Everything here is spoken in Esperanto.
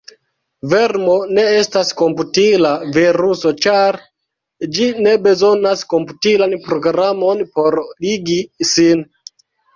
Vermo ne estas komputila viruso ĉar ĝi ne bezonas komputilan programon por ligi sin.